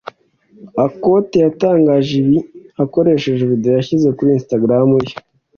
Akothee yatangaje ibi akoresheje video yashyize kuri Instagram ye